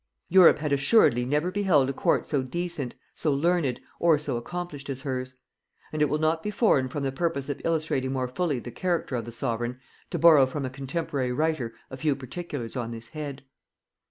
Europe had assuredly never beheld a court so decent, so learned, or so accomplished as hers; and it will not be foreign from the purpose of illustrating more fully the character of the sovereign, to borrow from a contemporary writer a few particulars on this head.